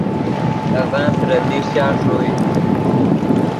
اڤن ترے دیشچا ݰوئے